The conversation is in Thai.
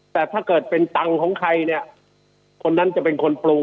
แต่ถ้าเกิดเป็นตังค์ของใครเนี่ยคนนั้นจะเป็นคนปรุง